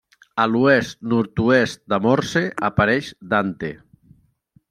A l'oest-nord-oest de Morse apareix Dante.